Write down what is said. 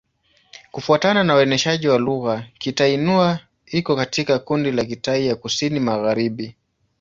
Kufuatana na uainishaji wa lugha, Kitai-Nüa iko katika kundi la Kitai ya Kusini-Magharibi.